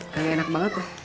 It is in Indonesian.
kayak enak banget ya